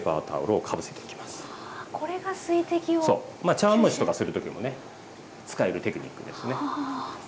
茶わん蒸しとかする時もね使えるテクニックですね。